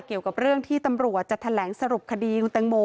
เกี่ยวกับเรื่องที่ตำรวจจะแถลงสรุปคดีคุณแตงโม